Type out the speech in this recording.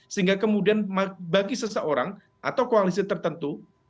sehingga kemudian bagi seseorang atau koalisi tertentu